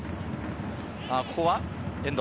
ここは遠藤。